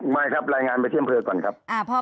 ไม่ครับรายงานไปที่อำเภอก่อนครับ